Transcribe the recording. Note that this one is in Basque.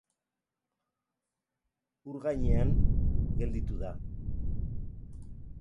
Ur gainean gelditu da.